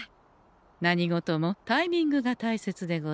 何事もタイミングが大切でござんす。